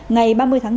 ngày ba mươi tháng năm